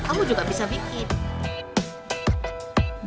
kamu juga bisa bikin